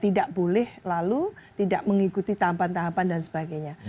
tidak boleh lalu tidak mengikuti tahapan tahapan dan sebagainya